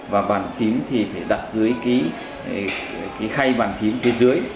và bàn kín thì phải đặt dưới cái khay bàn phím phía dưới